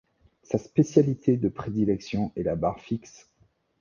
Sa spécialité de prédilection est la barre fixe.